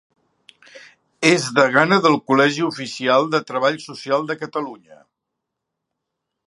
És degana del Col·legi Oficial de Treball Social de Catalunya.